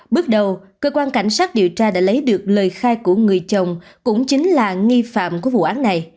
bước đầu cơ quan cảnh sát điều tra đã lấy được lời khai của người chồng cũng chính là nghi phạm của vụ án này